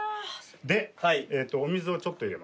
でお水をちょっと入れます。